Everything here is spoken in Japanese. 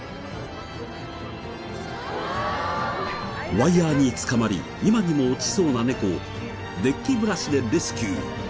ワイヤにつかまり今にも落ちそうな猫をデッキブラシでレスキュー。